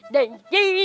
dan dan dan